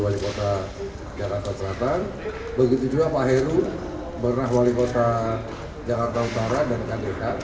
wali kota jakarta selatan begitu juga pak heru pernah wali kota jakarta utara dan kdk